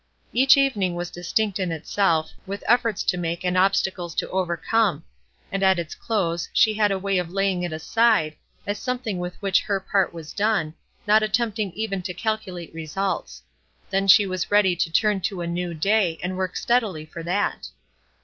Each evening was distinct in itself, with efforts to make and obstacles to overcome; and at its close she had a way of laying it aside, as something with which her part was done, not attempting even to calculate results; then she was ready to turn to a new day, and work steadily for that.